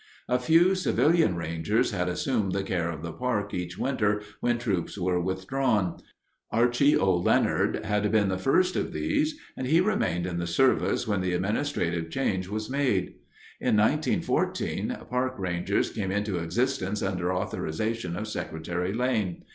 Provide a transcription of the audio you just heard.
A few civilian rangers had assumed the care of the park each winter when troops were withdrawn. Archie O. Leonard had been the first of these and he remained in the service when the administrative change was made. In 1914 "park rangers" came into existence under authorization of Secretary Lane.